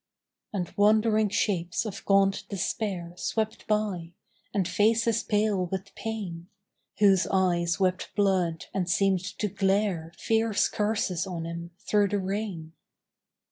And wandering shapes of gaunt despair Swept by; and faces pale with pain, Whose eyes wept blood and seemed to glare Fierce curses on him through the rain.